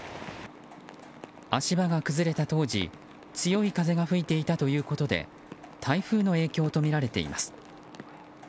足場が崩れた当時強い風が吹いていたということで台風の影響とみられています。